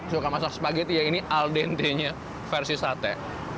suka masak spageti ya ini aldente nya versi sate